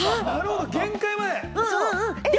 限界まで？